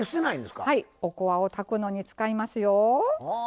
はいおこわを炊くのに使いますよ。